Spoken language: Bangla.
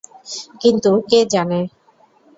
কিন্তু কে জানে?